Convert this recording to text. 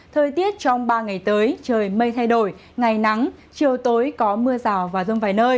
thời tiết trong ba ngày tới trời mây thay đổi ngày nắng chiều tối có mưa rào và rông vài nơi